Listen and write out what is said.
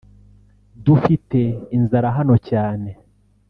dufite inzara hano cyane »